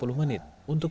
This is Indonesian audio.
untuk memulai kegiatan